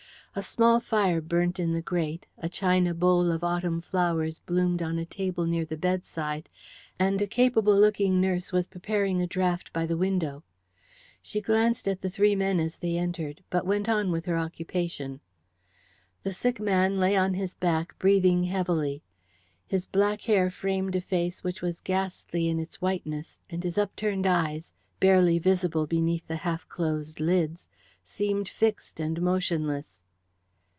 A small fire burnt in the grate, a china bowl of autumn flowers bloomed on a table near the bedside, and a capable looking nurse was preparing a draught by the window. She glanced at the three men as they entered, but went on with her occupation. The sick man lay on his back, breathing heavily. His black hair framed a face which was ghastly in its whiteness, and his upturned eyes, barely visible beneath the half closed lids, seemed fixed and motionless.